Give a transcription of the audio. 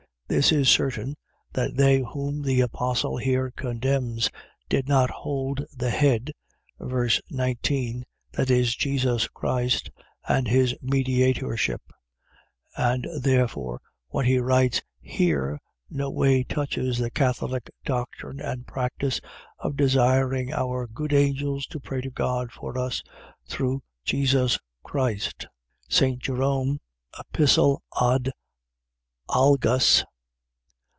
This is certain, that they whom the apostle here condemns, did not hold the head, (ver. 19,) that is, Jesus Christ, and his mediatorship; and therefore what he writes here no way touches the Catholic doctrine and practice, of desiring our good angels to pray to God for us, through Jesus Christ. St. Jerome [Epist. ad Algas.